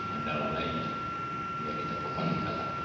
dan dalam lainnya yang kita kembali lihat